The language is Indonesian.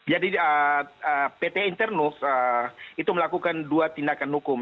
jadi pt internus itu melakukan dua tindakan hukum